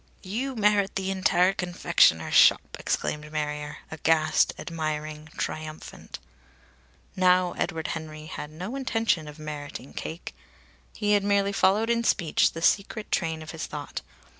"You merit the entire confectioner's shop!" exclaimed Marrier, aghast, admiring, triumphant. Now Edward Henry had had no intention of meriting cake. He had merely followed in speech the secret train of his thought.